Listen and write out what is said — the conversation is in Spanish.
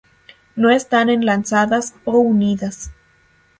No están enlazadas o unidas.